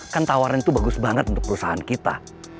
kan tawaran itu bagus banget untuk perusahaan kita